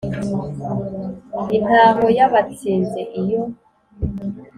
intaho y’abatsinze iyo